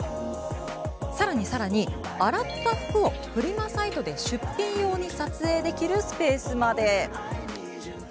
さらにさらに、洗った服をフリマサイトでの出品用に撮影できるスペースまで。